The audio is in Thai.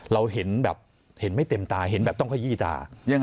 เราเห็นแบบเห็นไม่เต็มตาเห็นแบบต้องขยี้ตา